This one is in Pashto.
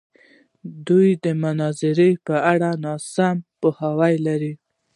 دوی د مناظرې په اړه ناسم پوهاوی لري.